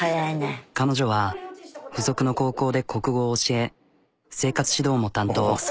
彼女は付属の高校で国語を教え生活指導も担当。